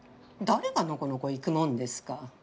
誰がのこのこ行くもんですか。